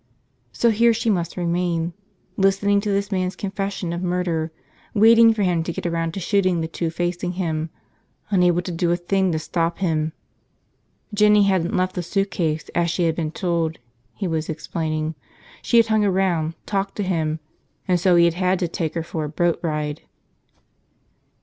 So here she must remain, listening to this man's confession of murder, waiting for him to get around to shooting the two facing him, unable to do a thing to stop him. Jinny hadn't left the suitcase as she had been told, he was explaining. She had hung around, talked to him, and so he had had to take her for a boat ride.